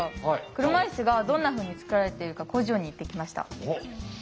車いすがどんなふうに作られているか工場に行ってきました。